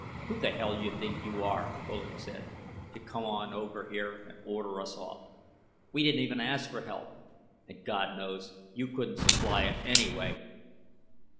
"Who the hell you think you are," Bullard said, "to come over here and order us off? We didn't even ask for help. And, God knows, you couldn't supply it anyway."